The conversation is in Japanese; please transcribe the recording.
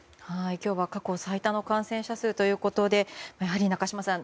今日は過去最多の感染者数ということでやはり中島さん